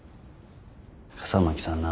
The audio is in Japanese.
笠巻さんな